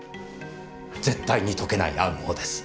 絶対に解けない暗号です。